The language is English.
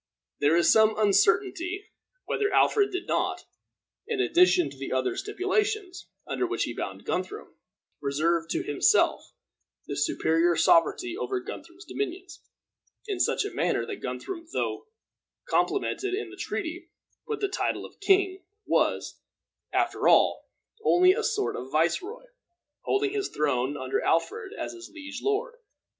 There is some uncertainty whether Alfred did not, in addition to the other stipulations under which he bound Guthrum, reserve to himself the superior sovereignty over Guthrum's dominions, in such a manner that Guthrum, though complimented in the treaty with the title of king, was, after all, only a sort of viceroy, holding his throne under Alfred as his liege lord.